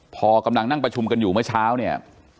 พอกำลังนั่งประชุมกันอยู่เมื่อเช้าเนี่ย